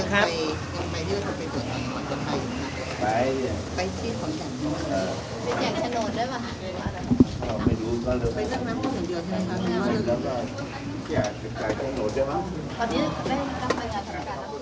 โปรดติดตามตอนต่อไป